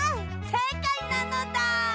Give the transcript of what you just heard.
せいかいなのだ！